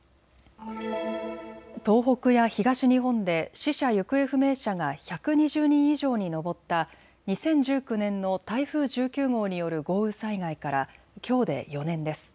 東北や東日本で死者・行方不明者が１２０人以上に上った２０１９年の台風１９号による豪雨災害からきょうで４年です。